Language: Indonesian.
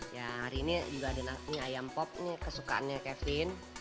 ya hari ini juga ada nasi ayam pop nih kesukaannya kevin